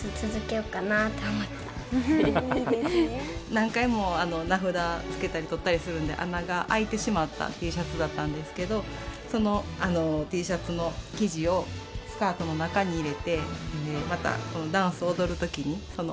何回も名札つけたりとったりするんで穴があいてしまったＴシャツだったんですけどそのＴシャツの生地をスカートの中に入れてまたこのダンス踊る時にその思い出も一緒に踊ってもらえたらなと思って。